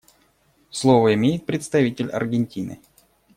Слово имеет представитель Аргентины.